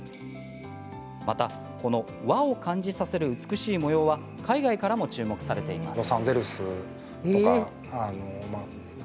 また、この和を感じさせる美しい模様は海外からも注文されています。